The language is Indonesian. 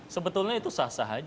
sebetulnya itu sah sah